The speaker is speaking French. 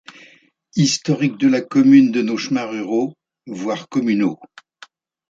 Historique de la commune de nos chemins ruraux, voir communaux.